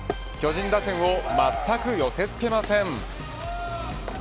巨人打線をまったく寄せ付けません。